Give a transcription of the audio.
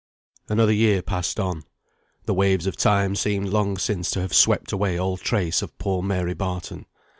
Another year passed on. The waves of time seemed long since to have swept away all trace of poor Mary Barton.